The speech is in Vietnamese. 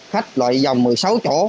khách loại dòng một mươi sáu chỗ